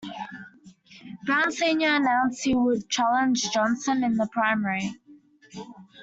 Brown, Senior announced he would challenge Johnson in the primary.